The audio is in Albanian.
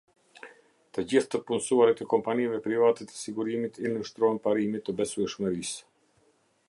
Të gjithë të punësuarit e kompanive private të sigurimit i nënshtrohen parimit të besueshmërisë.